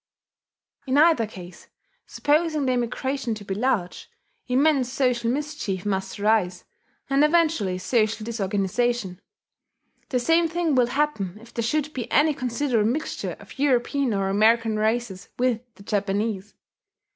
In either case, supposing the immigration to be large, immense social mischief must arise, and eventually social disorganization. The same thing will happen if there should be any considerable mixture of European or American races with the Japanese.